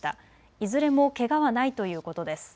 いずれもけがはないということです。